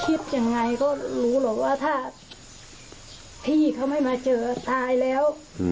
คิดยังไงก็รู้หรอกว่าถ้าพี่เขาไม่มาเจอตายแล้ว